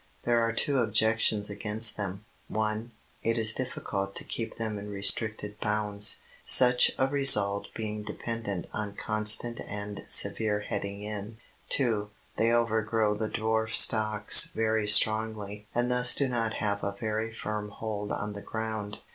There are two objections against them: (1) It is difficult to keep them in restricted bounds, such a result being dependent on constant and severe heading in. (2) They overgrow the dwarf stocks very strongly and thus do not have a very firm hold on the ground.